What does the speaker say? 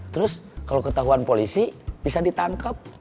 terus kalau ketahuan polisi bisa ditangkap